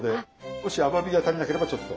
もし甘みが足りなければちょっと。